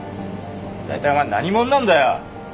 大体お前何者なんだよ。